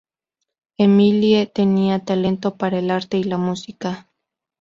Émilie tenía talento para el arte y la música.